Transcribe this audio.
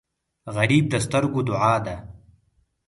غریب د سترګو دعا ده